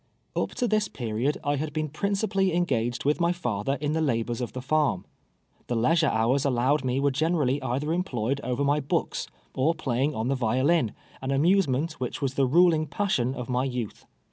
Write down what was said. Up to this period I had been principally engaged with my father in the labors of the farm. The leis ure hours allowed me were generally either employed over my books, or playing on the violin — an amuse ment which was the ruling passion of my youth.